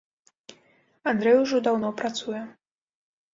Андрэй ужо даўно працуе.